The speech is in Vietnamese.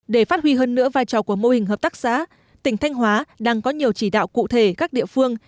để phát huy hơn nữa vai trò của mô hình hợp tác xã tỉnh thanh hóa đang có nhiều chỉ đạo cụ thể các địa phương